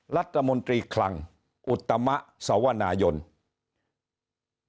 รัฐมนตรีคลังอุตมะสวนายนที่ว่า